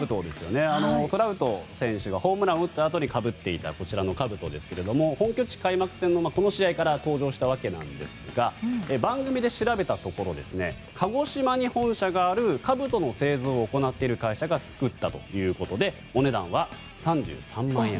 トラウト選手がホームランを打ったあとにかぶっていたこちらの兜ですが本拠地開幕戦のこの試合から登場したわけですが番組で調べたところ鹿児島に本社がある兜の製造を行っている会社が作ったということでお値段は３３万円。